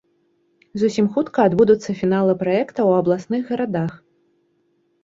Зусім хутка адбудуцца фіналы праекта ў абласных гарадах.